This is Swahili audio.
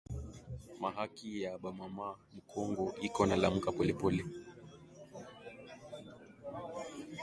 Ma haki ya ba mama mu kongo iko na lamuka pole pole